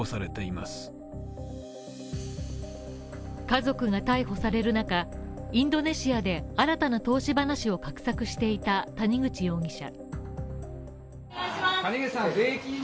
家族が逮捕される中、インドネシアで新たな投資話を画策していた谷口容疑者。